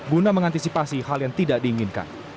guna mengantisipasi hal yang tidak diinginkan